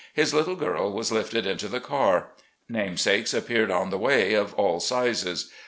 His little girl was lifted into the car. Namesakes appeared on the way, of all sizes.